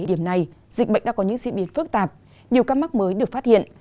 điểm này dịch bệnh đã có những diễn biến phức tạp nhiều ca mắc mới được phát hiện